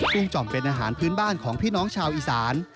จ่อมเป็นอาหารพื้นบ้านของพี่น้องชาวอีสาน